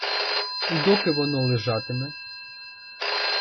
І доки воно лежатиме?